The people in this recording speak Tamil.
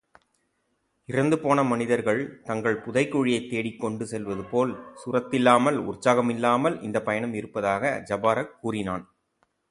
இறந்துபோன மனிதர்கள் தங்கள் புதை குழியைத் தேடிக்கொண்டு செல்வதுபோல் சுரத்தில்லாமல், உற்சாகமில்லாமல், இந்தப் பயணம் இருப்பதாக ஜபாரக் கூறினான்.